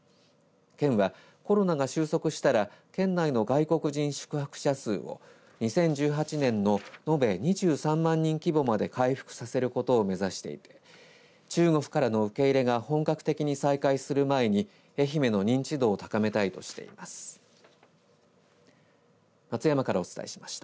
県は、コロナが収束したら県内の外国人宿泊者数を２０１８年ののべ２３万人規模まで回復させることを目指していて中国からの受け入れが本格的に再開する前に愛媛の認知度を高めたいとしています。